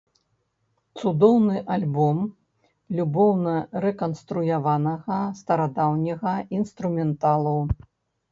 Цудоўны альбом любоўна рэканструяванага старадаўняга інструменталу.